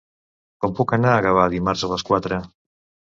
Com puc anar a Gavà dimarts a les quatre?